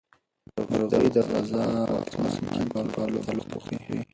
مرغۍ د غزا په اسمان کې په الوتلو بوختې وې.